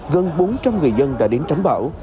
gần bốn trăm linh người dân đã đến tránh bão